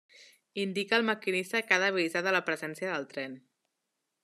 Indica al maquinista que ha d'avisar de la presència del tren.